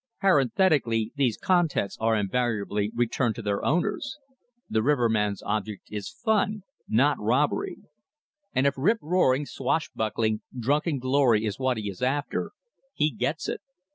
Parenthetically, these contents are invariably returned to their owners. The riverman's object is fun, not robbery. And if rip roaring, swashbuckling, drunken glory is what he is after, he gets it.